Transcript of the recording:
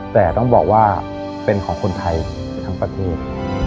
แต่ต้องบอกว่าเป็นของคนไทยทั้งประเทศ